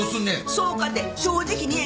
そうかて「正直に言え」